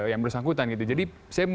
yang bersangkutan gitu jadi saya